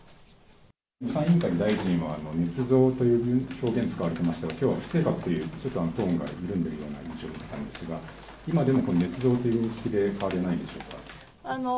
予算委員会で大臣は、ねつ造という表現使われてましたが、きょうは不正確という、ちょっとトーンが緩んだような印象だったんですが、今でもこのねつ造という認識で変わりはないんでしょうか。